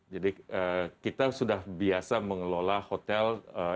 jadi kita sudah biasa mengelola hotel